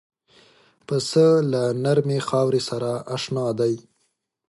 پسه له نرمې خاورې سره اشنا دی.